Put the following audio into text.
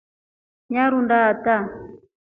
Nyarunda ata.